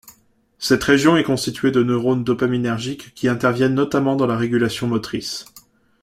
Cette région est constituée de neurones dopaminergiques qui interviennent notamment dans la régulation motrice.